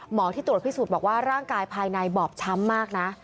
ที่ตรวจพิสูจน์บอกว่าร่างกายภายในบอบช้ำมากนะ